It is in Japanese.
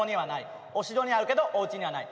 お城にあるけどおうちにはない。